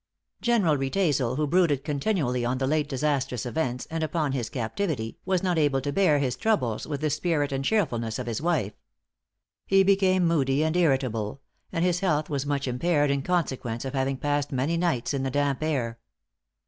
General Riedesel who brooded continually on the late disastrous events, and upon his captivity, was not able to bear his troubles with the spirit and cheerfulness of his wife. He became moody and irritable; and his health was much impaired in consequence of having passed many nights in the damp air.